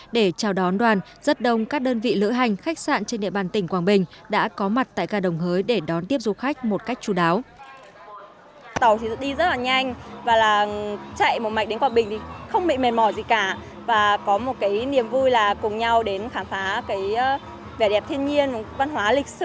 để chào đón đoàn rất đông các đơn vị lữ hành khách sạn trên địa bàn tỉnh quảng bình đã có mặt tại ca đồng hới để đón tiếp du khách một cách chú đáo